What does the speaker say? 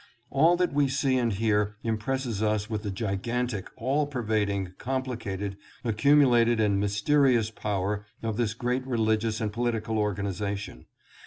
All that we see and hear impresses us with the gigan tic, all pervading, complicated, accumulated and myste terious power of this great religious and political organization.